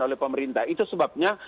oleh pemerintah itu sebabnya